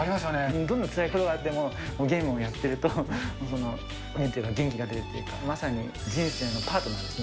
どんなにつらいことがあっても、ゲームをやってるとなんていうか、元気が出るっていうか、まさに人生のパートナーですね。